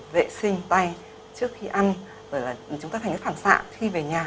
vệ sinh tay trước khi ăn rồi là chúng ta thành cái phản xạ khi về nhà